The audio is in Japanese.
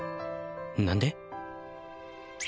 何で？